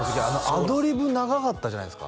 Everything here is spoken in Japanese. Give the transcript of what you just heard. アドリブ長かったじゃないですか